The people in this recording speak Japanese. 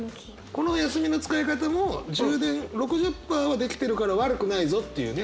この休みの使い方も充電６０％は出来てるから悪くないぞっていうね。